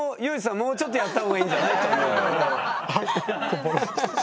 もうちょっとやった方がいいんじゃない？と思うよね。